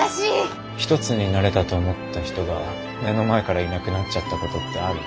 一つになれたと思った人が目の前からいなくなっちゃったことってある？